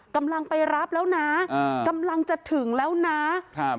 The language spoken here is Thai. กำลังไปรับแล้วนะอ่ากำลังจะถึงแล้วนะครับ